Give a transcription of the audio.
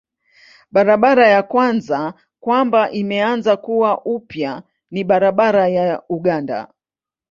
Barabara ya kwanza kwamba imeanza kuwa upya ni barabara ya Uganda.